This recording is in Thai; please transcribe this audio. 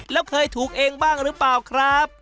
แล้วเคยถูกเองบ้างหรือเปล่าครับ